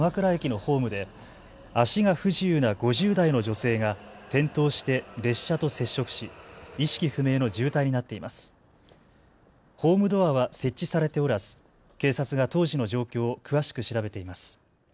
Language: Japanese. ホームドアは設置されておらず警察が当時の状況を詳しく調べています。